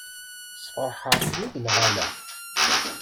Sfeṛḥeɣ-kem-id neɣ ala?